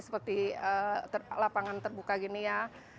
seperti lapangan terbuka gini ya